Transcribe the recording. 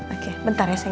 oke bentar ya sayang